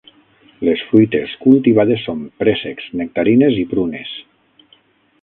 Les fruites cultivades son préssecs, nectarines i prunes.